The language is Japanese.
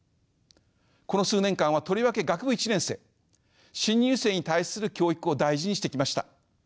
この数年間はとりわけ学部１年生新入生に対する教育を大事にしてきました。